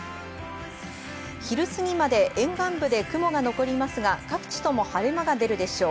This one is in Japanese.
昼すぎまで沿岸部で雲が残りますが各地とも晴れ間が出るでしょう。